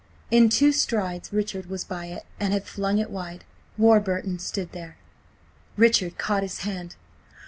In two strides Richard was by it, and had flung it wide. Warburton stood there. Richard caught his hand.